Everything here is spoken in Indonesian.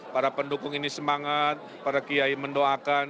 para pendukung ini semangat para kiai mendoakan